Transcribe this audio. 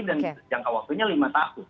dan jangka waktunya lima tahun